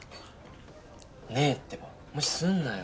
ねぇってば無視すんなよ。